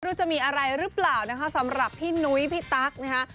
จะมีอะไรหรือเปล่านะคะสำหรับพี่นุ้ยพี่ตั๊กนะคะ